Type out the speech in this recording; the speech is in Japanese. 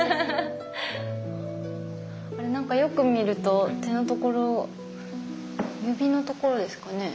あれ何かよく見ると手のところ指のところですかね。